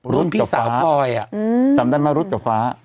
นุ่นพี่สาวพอยอ่ะจำได้มารุดกับฟ้า